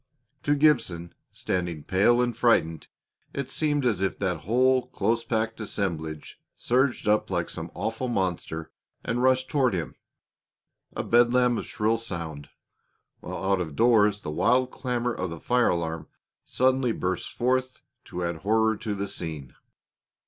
To Gibson, standing pale and frightened, it seemed as if that whole close packed assemblage surged up like some awful monster and rushed toward him, a bedlam of shrill sound; while out of doors the wild clamor of the fire alarm suddenly burst forth to add horror to the scene.